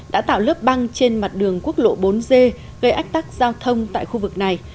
đã tạo lớp băng trên mặt đường quốc lộ bốn g gây ách tắc giao thông tại khu vực này